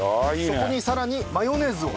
そこにさらにマヨネーズを。